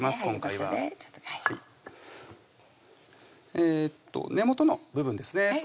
今回は根元の部分ですね